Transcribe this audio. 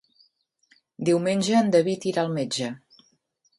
Diumenge en David irà al metge.